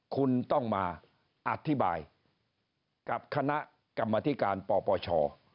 คุณต้องมาอธิบายกับคณะกรรมธิการปปช